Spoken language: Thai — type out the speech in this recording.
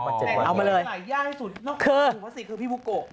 ประศจน์ถุงพลาสติกคือพี่พูเปี๊บลุ๊บโกะ